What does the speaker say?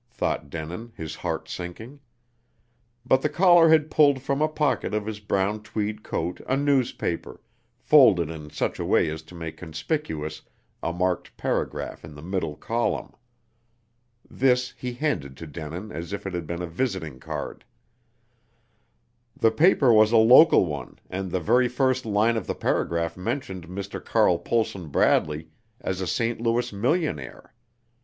thought Denin, his heart sinking. But the caller had pulled from a pocket of his brown tweed coat a newspaper, folded in such a way as to make conspicuous a marked paragraph in the middle column. This he handed to Denin as if it had been a visiting card. The paper was a local one, and the very first line of the paragraph mentioned Mr. Carl Pohlson Bradley as a St. Louis millionaire.